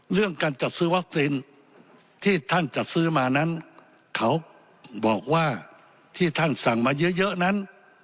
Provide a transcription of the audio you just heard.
เรื่องการจัดซื้อวัคซีนที่ท่านจัดซื้อมานั้นเขาบอกว่าที่ท่านสั่งมาเยอะนั้น